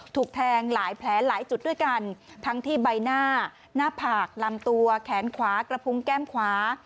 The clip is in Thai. ถูกแทงหลายแผลหลายจุดด้วยกันทั้งที่ใบหน้าหน้าผากลำตัวแขนขวากระพุงแก้มขวา